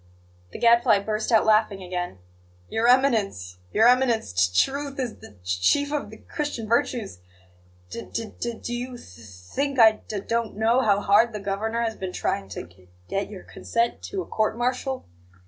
The Gadfly burst out laughing again. "Your Eminence, Your Eminence, t t truth is the c chief of the Christian virtues! D d do you th th think I d d don't know how hard the Governor has been trying to g get your consent to a court martial?